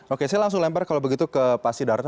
oke saya langsung lempar kalau begitu ke pak sidarto